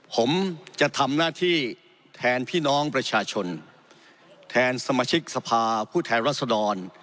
ผมจะทำหน้าที่แทนพี่น้องประชาชนแทนสมาชิกสภาผู้แทนรัศดร